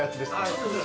そうです。